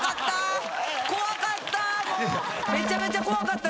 怖かった。